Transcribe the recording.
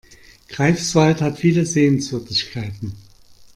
Greifswald hat viele Sehenswürdigkeiten